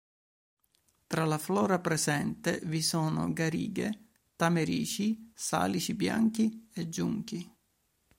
Tra la flora presente, vi sono garighe, tamerici, salici bianchi e giunchi.